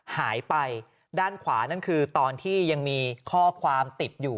หายไปด้านขวานั่นคือตอนที่ยังมีข้อความติดอยู่